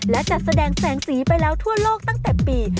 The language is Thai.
และจัดแสดงแสงสีไปแล้วทั่วโลกตั้งแต่ปี